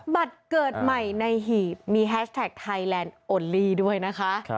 บัตรเกิดใหม่ในหีบมีแฮชแท็กไทยแลนด์โอลี่ด้วยนะคะ